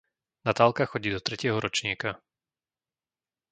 Natálka chodí do tretieho ročníka.